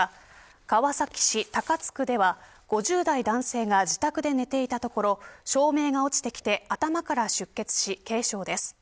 川崎市高津区では５０代男性が自宅で寝ていたところ照明が落ちてきて頭から出血し、軽傷です。